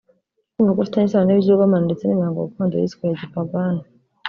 Kumvako ufitanye isano n’ibigirwamana ndetse n’imihango gakondo yiswe iya gipaani